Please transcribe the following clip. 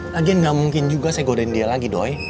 lagi gak mungkin juga saya godain dia lagi doi